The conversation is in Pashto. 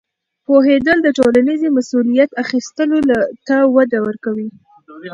پوهېدل د ټولنیزې مسؤلیت اخیستلو ته وده ورکوي.